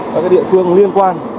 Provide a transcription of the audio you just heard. các cái địa phương liên quan